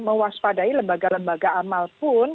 mewaspadai lembaga lembaga amal pun